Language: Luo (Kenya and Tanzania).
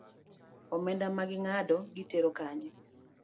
Omenda maging’ado gitero kanye?